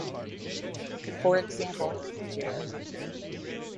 For example, Jer.